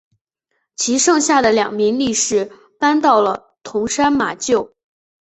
其剩下的两名力士搬到了桐山马厩。